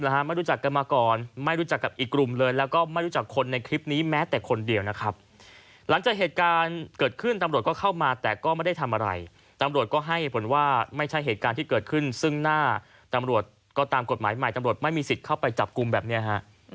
ไม่รู้จักกันมาก่อนไม่รู้จักกับอีกกลุ่มเลยแล้วก็ไม่รู้จักคนในคลิปนี้แม้แต่คนเดียวนะครับหลังจากเหตุการณ์เกิดขึ้นตำรวจก็เข้ามาแต่ก็ไม่ได้ทำอะไรตำรวจก็ให้ผลว่าไม่ใช่เหตุการณ์ที่เกิดขึ้นซึ่งหน้าตำรวจก็ตามกฎหมายใหม่ตำรวจไม่มีสิทธิ์เข้าไปจับกลุ่มแบบเนี้ยฮะ